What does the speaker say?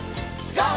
ＧＯ！